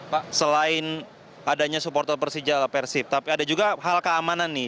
pak selain adanya supporter persija persib tapi ada juga hal keamanan nih